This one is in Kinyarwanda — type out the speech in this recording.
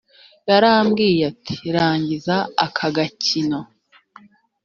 yarambwiye ati rangiza aka gakino